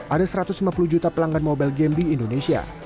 ada satu ratus lima puluh juta pelanggan mobile game di indonesia